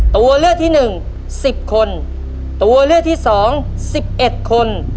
ตัวเลือกที่หนึ่งสิบคนตัวเลือกที่สองสิบเอ็ดคน